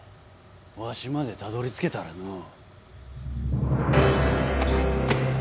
わしまでたどりつけたらのう。